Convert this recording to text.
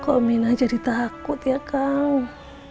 kok mina jadi takut ya kang